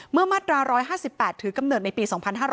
เมื่อมาตราร้อย๑๕๘ถือกำเนิดในปี๒๕๖๐